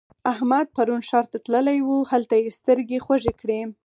احمد پرون ښار ته تللی وو؛ هلته يې سترګې خوږې کړې.